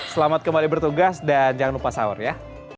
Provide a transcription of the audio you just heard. selamat kembali bertugas dan jangan lupa sahur ya